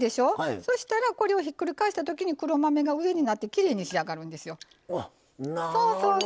そしたらこれをひっくり返した時に黒豆が上になってきれいに仕上がるんですよ。